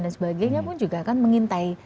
dan sebagainya pun juga akan mengintai